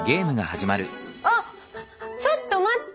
あっちょっと待って！